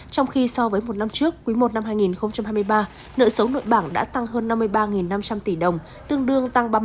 trong khi so với một năm trước cuối một năm hai nghìn hai mươi ba nợ xấu nội bảng đã tăng hơn năm mươi ba năm trăm linh tỷ đồng tương đương tăng ba mươi một ba mươi bảy